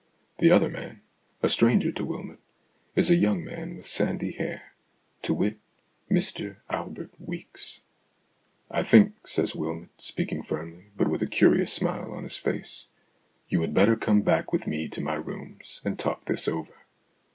The other man, a stranger to Wylmot, is a THE AUTOBIOGRAPHY OF AN IDEA 63 young man with sandy hair to wit, Mr Albert Weeks. " I think," says Wylmot, speaking firmly, but with a curious smile on his face, " you had better come back with me to my rooms and talk this over."